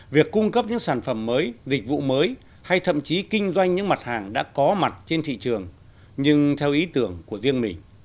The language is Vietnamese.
việc cung cấp những sản phẩm mới dịch vụ mới hay thậm chí kinh doanh những mặt hàng đã có mặt trên thị trường nhưng theo ý tưởng của riêng mình